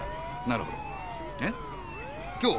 なるほどえっ今日？